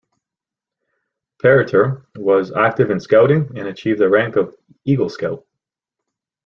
Parater was active in scouting, and achieved the rank of Eagle Scout.